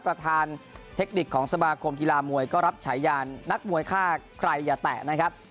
ประธานเทคนิคของสมาคมกีฬามวยก็รับฉายานนักมวยฆ่าใครอย่าแตะนะครับ